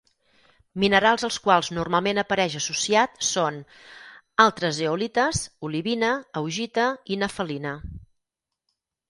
Minerals als quals normalment apareix associat són: altres zeolites, olivina, augita i nefelina.